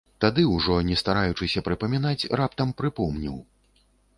Тады, ужо не стараючыся прыпамінаць, раптам прыпомніў.